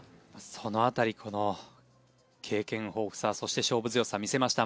その辺り、経験豊富さそして勝負強さを見せました。